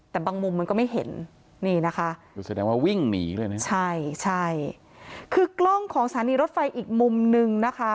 แต่บางมุมมันก็ไม่เห็นนี่นะคะคือกล้องของสถานีรถไฟอีกมุมนึงนะคะ